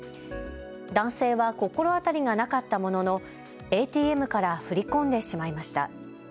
男性は心当たりがなかったもののＡＴＭから振り込んでしまいました。